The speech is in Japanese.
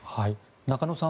中野さん